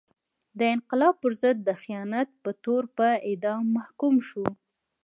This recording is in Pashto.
د انقلاب پر ضد د خیانت په تور په اعدام محکوم شو.